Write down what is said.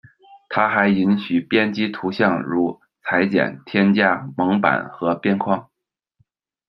它还允许编辑图像，如裁剪、添加蒙版和边框。